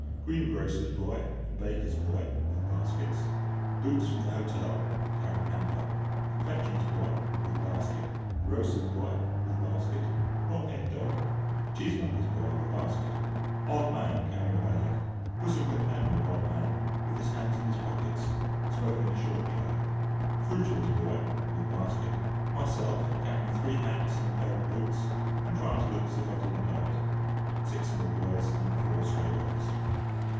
Greengrocer's boy and baker's boy, with baskets. Boots from the hotel, carrying hamper. Confectioner's boy, with basket. Grocer's boy, with basket. Long haired dog. Cheesemonger's boy, with basket. Odd man carrying a bag. Bosom companion of odd man, with his hands in his pockets, smoking a short clay. Fruiterer's boy, with basket. Myself, carrying three hats and a pair of boots, and trying to look as if I didn't know it. Six small boys, and four stray dogs.